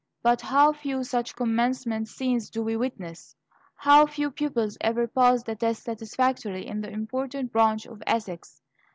But how few such commencement scenes do we witness! How few pupils ever pass the test satisfactorily in the important branch of ethics!